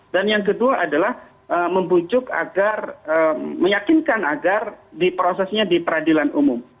dan yang kedua adalah membujuk agar meyakinkan agar di prosesnya di peradilan umum